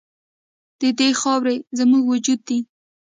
د دې خاوره زموږ وجود دی؟